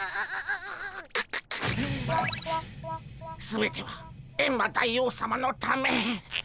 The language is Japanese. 全てはエンマ大王さまのため。